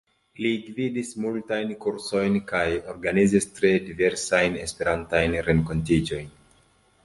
Li gvidis multajn kursojn, kaj organizis tre diversajn esperantajn renkontiĝojn.